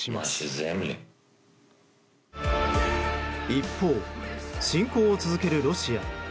一方、侵攻を続けるロシア。